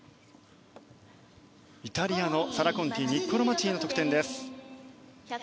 イタリアのサラ・コンティニッコロ・マチーの得点です。